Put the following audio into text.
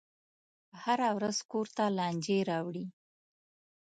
هره ورځ کور ته لانجې راوړي.